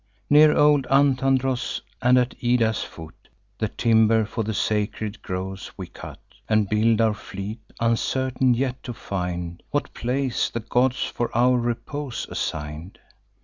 Near old Antandros, and at Ida's foot, The timber of the sacred groves we cut, And build our fleet; uncertain yet to find What place the gods for our repose assign'd.